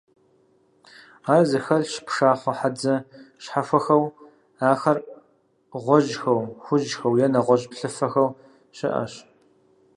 Ар зэхэлъщ пшахъуэ хьэдзэ щхьэхуэхэу, ахэр гъуэжьхэу, хужьхэу е нэгъуэщӀ плъыфэхэу щыӀэщ.